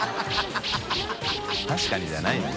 確かに」じゃないのよ。